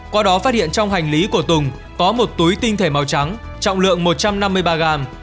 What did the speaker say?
qua đó phát hiện trong hành lý của tùng có một túi tinh thể màu trắng trọng lượng một trăm năm mươi ba gram